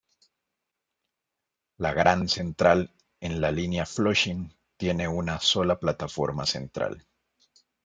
La Grand Central en la línea Flushing tiene una sola plataforma central.